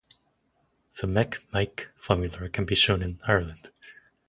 The "mac meic" formula can be shown in Ireland.